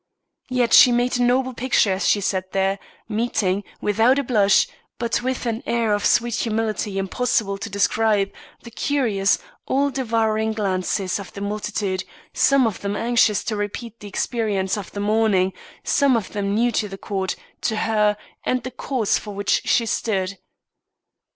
Yet she made a noble picture as she sat there, meeting, without a blush, but with an air of sweet humility impossible to describe, the curious, all devouring glances of the multitude, some of them anxious to repeat the experience of the morning; some of them new to the court, to her, and the cause for which she stood.